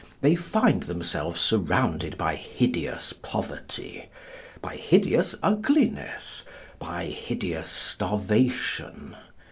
They find themselves surrounded by hideous poverty, by hideous ugliness, by hideous starvation.